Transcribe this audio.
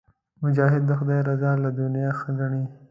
مجاهد د خدای رضا له دنیا ښه ګڼي.